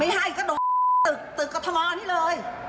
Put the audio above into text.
ไม่ให้ก็โดดตึกกฎธวรรณ์นี้เลย